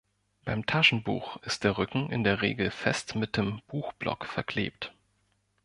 Beim Taschenbuch ist der Rücken in der Regel fest mit dem Buchblock verklebt.